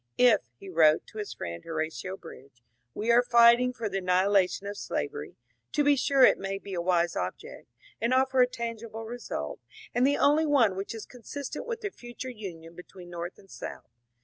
*^ If," he wrote to his friend Horatio Bridge, ^^ we are fighting for the annihila tion of slavery, to be sure it may be a wise object, and offer a tangible result, and the only one which is consistent with a future union between North and South."